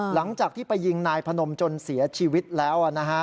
หลังจากที่ไปยิงนายพนมจนเสียชีวิตแล้ว